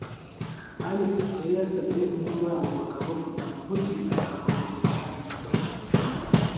Alex yari yasabye umwe muri abo bagabo kujya mu mujyi akabakodesha imodoka.